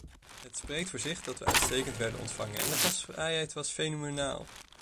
Het spreekt voor zich dat we uitstekend werden ontvangen en de gastvrijheid was fenomenaal.